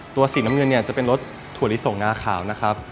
ตัวสีน้ำเงินจะเป็นรสถั่วลิสงงาขาวนะครับ